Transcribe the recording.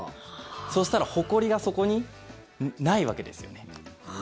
そしたら、ほこりがそこにないわけですよね。